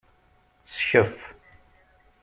Skef.